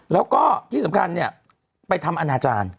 แล้วก็ที่สำคัญเนี่ยไปทำอนาจารย์